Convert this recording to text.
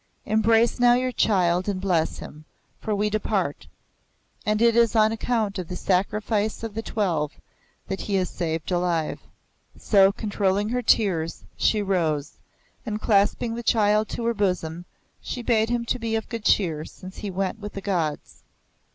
Embrace now your child and bless him, for we depart. And it is on account of the sacrifice of the Twelve that he is saved alive." So, controlling her tears, she rose, and clasping the child to her bosom, she bade him be of good cheer since he went with the Gods.